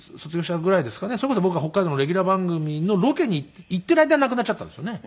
それこそ僕が北海道のレギュラー番組のロケに行っている間に亡くなっちゃったんですよね。